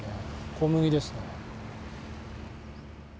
小麦ですね。